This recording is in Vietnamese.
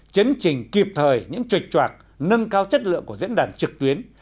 chấn trình kịp thời những chuệch choạc nâng cao chất lượng của diễn đàn trực tuyến